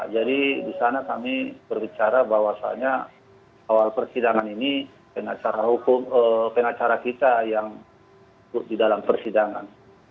jadi di sana kami berbicara bahwasannya awal persidangan ini pengacara kita yang ikut di dalam persidangan